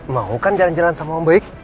mau kan jalan jalan sama om baik